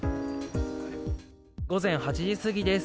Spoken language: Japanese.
午前８時過ぎです。